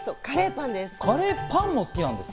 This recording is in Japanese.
カレーパンです。